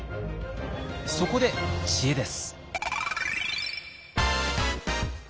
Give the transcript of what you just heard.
そこで知恵です。